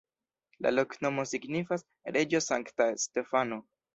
La loknomo signifas: reĝo-sankta-Stefano.